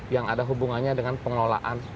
yang ada hubungannya dengan pengelolaan